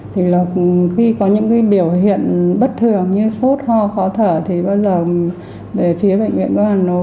thì là khi có những biểu hiện bất thường như sốt ho khó thở thì bao giờ phía bệnh viện công an hà nội